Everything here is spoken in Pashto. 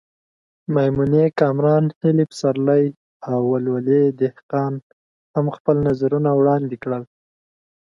میمونې کامران، هیلې پسرلی او ولولې دهقان هم خپل نظرونه وړاندې کړل.